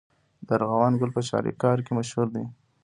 د ارغوان ګل په چاریکار کې مشهور دی.